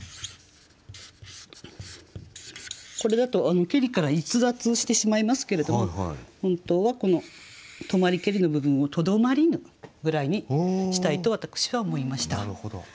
これだと「けり」から逸脱してしまいますけれども本当はこの「留まりけり」の部分を「とどまりぬ」ぐらいにしたいと私は思いました。